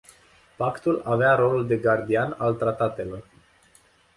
Pactul avea rolul de gardian al tratatelor.